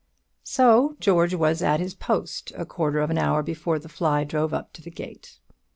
So George was at his post a quarter of an hour before the fly drove up to the gate.